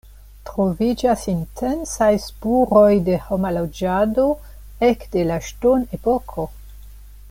Troviĝas intensaj spuroj de homa loĝado ekde la ŝtonepoko.